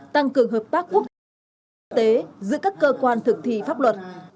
tăng cường hợp tác quốc tế giữa các cơ quan thực thi pháp luật